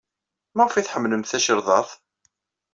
Maɣef ay tḥemmlemt tacirḍart?